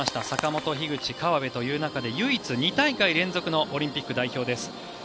坂本、樋口、河辺という中で唯一、２大会連続のオリンピック代表です。